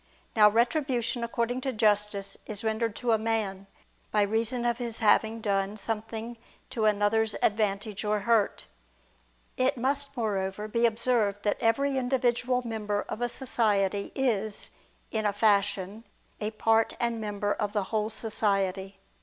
Now, retribution according to justice is rendered to a man, by reason of his having done something to another's advantage or hurt. It must, moreover, be observed that every individual member of a society is, in a fashion, a part and member of the whole society.